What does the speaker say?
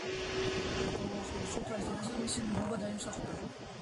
იქ დაუახლოვდა სულთნის დედას და მისი ნდობა დაიმსახურა.